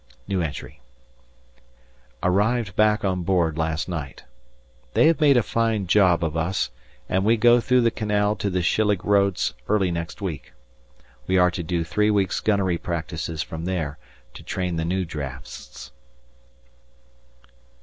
Arrived back on board last night. They have made a fine job of us, and we go through the canal to the Schillig Roads early next week. We are to do three weeks' gunnery practices from there, to train the new drafts.